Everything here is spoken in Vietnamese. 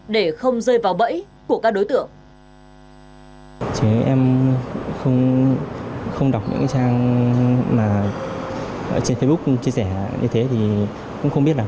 để không rơi vào bẫy của các đối tượng